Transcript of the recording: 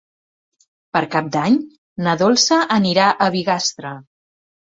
Per Cap d'Any na Dolça anirà a Bigastre.